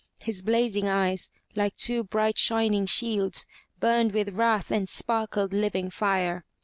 His blazing eyes, like two bright shining shields, burned with wrath and sparkled living fire.